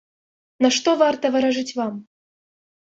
На што варта варажыць вам?